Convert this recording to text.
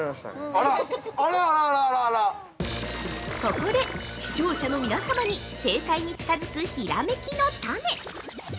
◆ここで、視聴者の皆様に正解に近づく、ひらめきのタネ。